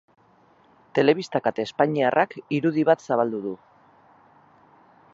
Telebista kate espainiarrak irudi bat zabaldu du.